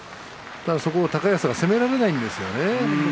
そこを高安が攻められないんですね。